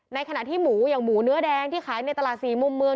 ในขณะที่หมูอย่างหมูเนื้อแดงที่ขายในตลาดสี่มุมเมือง